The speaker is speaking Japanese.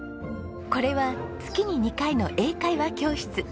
これは月に２回の英会話教室。